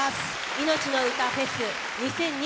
「いのちのうたフェス２０２３」。